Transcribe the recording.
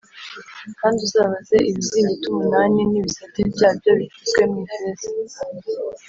Kandi uzabaze ibizingiti umunani n ibisate byabyo bicuzwe mu ifeza